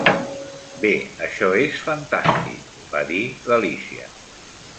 "Bé, això és fantàstic!" va dir l'Alícia.